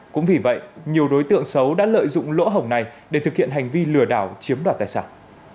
cũng vì vậy nhiều đối tượng xấu đã lợi dụng lỗ hồng này để thực hiện hành vi lừa đảo chiếm đoạt tài sản